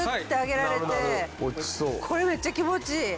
これめっちゃ気持ちいい。